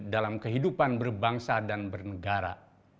dalam kehidupan berbangsa dan bernegara